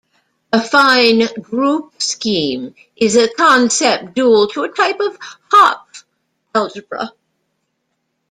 "Affine group scheme" is the concept dual to a type of Hopf algebra.